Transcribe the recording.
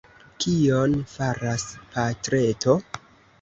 Kion faras patreto?